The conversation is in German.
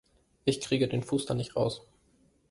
Ich kriege den Fuß da nicht raus!